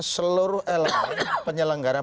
seluruh elit penyelenggaraan